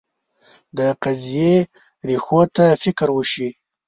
د قضیې ریښو ته فکر وشي.